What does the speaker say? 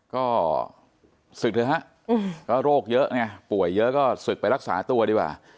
ก็ศึกเถอะฮะก็โรคเยอะไงป่วยเยอะก็ศึกไปรักษาตัวดีกว่า